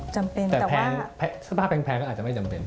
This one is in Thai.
แต่เสื้อผ้าแพงก็อาจจะไม่จำเป็น